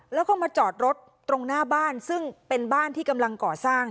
แล้วก็มาจอดรถตรงหน้าบ้านซึ่งเป็นบ้านที่กำลังก่อสร้าง